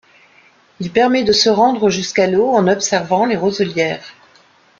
Il permet de se rendre jusqu'à l'eau en observant les roselières.